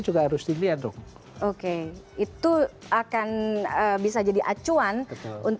juga harus dilihat dong